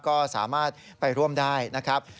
ก็สามารถไปร่วมได้นะครับ